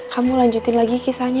kamu lanjutin lagi kisahnya